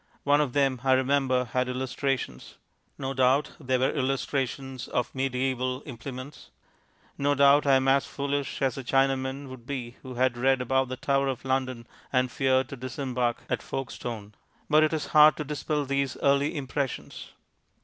One of them, I remember, had illustrations. No doubt they were illustrations of mediaeval implements; no doubt I am as foolish as the Chinaman would be who had read about the Tower of London and feared to disembark at Folkstone; but it is hard to dispel these early impressions.